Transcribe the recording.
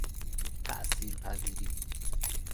تأثیر پذیری